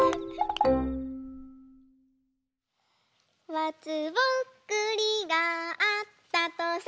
「まつぼっくりがあったとさ